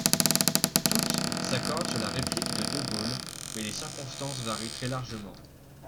Toutes s'accordent sur la réplique de de Gaulle, mais les circonstances varient très largement.